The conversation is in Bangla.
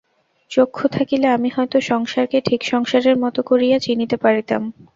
চক্ষু থাকিলে আমি হয়তো সংসারকে ঠিক সংসারের মতো করিয়া চিনিতে পারিতাম।